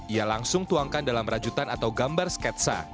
ia langsung tuangkan dalam rajutan atau gambar sketsa